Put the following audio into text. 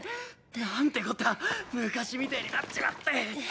なんてこった昔みてえになっちまって。